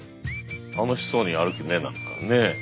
楽しそうに歩くね何かね。